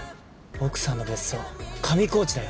奥さんの別荘上高地だよ。